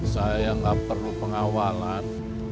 saya gak perlu pengawalan